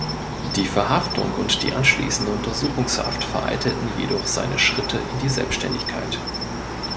Die Verhaftung und die anschließende Untersuchungshaft vereitelten jedoch seine Schritte in die Selbstständigkeit.